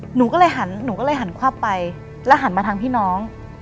หนูก็เลยหันขวับไปแล้วหันมาทางพี่น้อง